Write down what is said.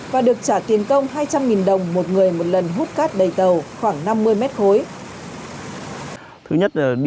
và được trả tiền công hai trăm linh đồng một người một lần hút cát đầy tàu khoảng năm mươi mét khối